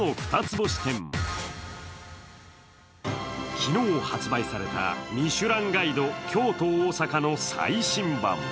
昨日発売された「ミシュランガイド京都・大阪」の最新版。